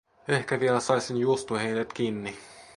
Ehkä vielä saisin juostua heidät kiinni.